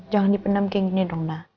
jangan dipenam kayak gini dong na